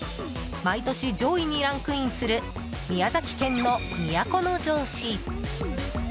毎年上位にランクインする宮崎県の都城市。